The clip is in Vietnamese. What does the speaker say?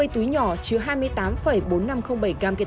ba mươi túi nhỏ chứa hai mươi tám bốn mươi năm kg